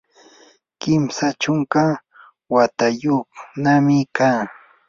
kimsa chunka watayuqnami kaa.